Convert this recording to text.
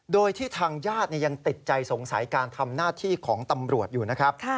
โดยที่ทางญาติยังติดใจสงสัยการทำหน้าที่ของตำรวจอยู่นะครับ